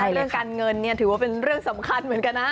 เรื่องการเงินเนี่ยถือว่าเป็นเรื่องสำคัญเหมือนกันนะ